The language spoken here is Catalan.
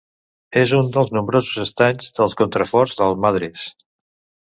És un dels nombrosos estanys dels contraforts del Madres.